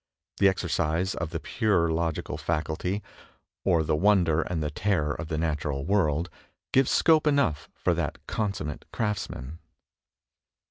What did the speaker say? The exercise of the pure logical faculty, or the wonder and the terror of the natural world, gives scope enough for that consummate craftsman."